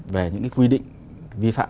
về những quy định vi phạm